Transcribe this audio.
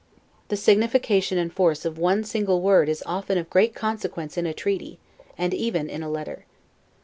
The signification and force of one single word is often of great consequence in a treaty, and even in a letter.